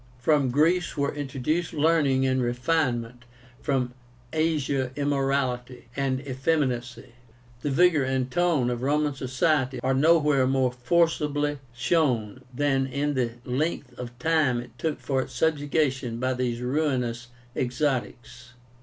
From Greece were introduced learning and refinement, from Asia immorality and effeminacy. The vigor and tone of Roman society are nowhere more forcibly shown than in the length of time it took for its subjugation by these ruinous exotics.